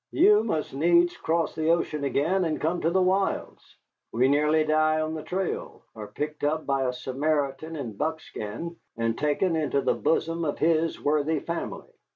You must needs cross the ocean again, and come to the wilds. We nearly die on the trail, are picked up by a Samaritan in buckskin and taken into the bosom of his worthy family.